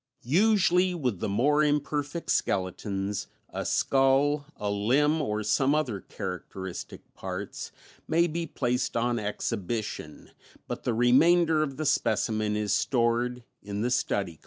Usually with the more imperfect skeletons, a skull, a limb or some other characteristic parts may be placed on exhibition but the remainder of the specimen is stored in the study collections.